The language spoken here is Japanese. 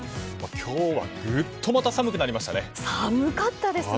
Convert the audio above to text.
今日はグッと寒くなりましたね。